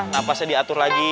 napasnya diatur lagi